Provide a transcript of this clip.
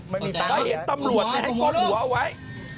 เกิดไม่มีชัดวันเห็นตำรวจแล้วก้มหัวลูกไว้